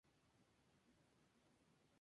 Pedro Picus.